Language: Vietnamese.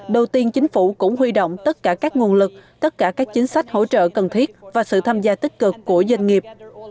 đầu tiên chính phủ cũng huy động tất cả các nguồn lực tất cả các chính sách hỗ trợ cần thiết và sự tham gia tích cực của doanh nghiệp